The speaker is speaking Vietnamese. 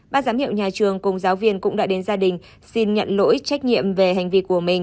bác giám hiệu nhà trường cùng giáo viên cũng đã đến gia đình xin nhận lỗi trách nhiệm về hành vi của mình